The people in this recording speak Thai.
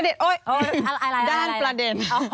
ด้านประเด็น